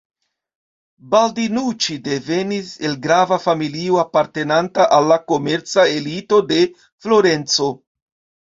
Baldinuĉi devenis el grava familio apartenanta al la komerca elito de Florenco.